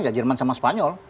ya jerman sama spanyol